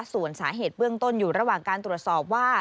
ส่วนสาเหตุเบื้องต้นอยู่ระหว่างการตรวจสอบว่า